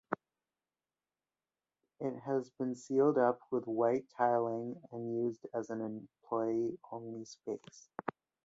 It has been sealed up with white tiling and used as an employee-only space.